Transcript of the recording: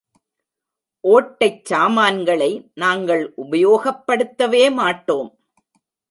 ஓட்டைச் சாமான்களை நாங்கள் உபயோகப்படுத்தவே மாட்டோம்.